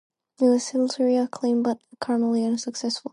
It was critically acclaimed but commercially unsuccessful.